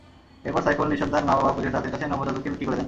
এরপর সাইফুল নিঃসন্তান মা-বাবা খুঁজে তাঁদের কাছে নবজাতককে বিক্রি করে দেন।